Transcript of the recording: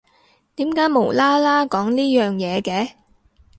點解無啦啦講呢樣嘢嘅？